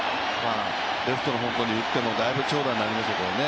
レフトの方向に打ってもだいぶ長打になりますよね。